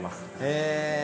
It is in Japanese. へえ。